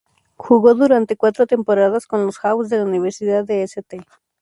Jugó durante cuatro temporadas con los "Hawks" de la Universidad de St.